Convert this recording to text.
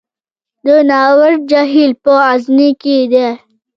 د ناور جهیل په غزني کې دی